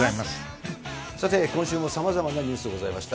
さて、今週もさまざまなニュースございました。